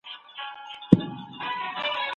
یوه نره غېږه ورکړه، پر تندي باندي یې ښګل کړه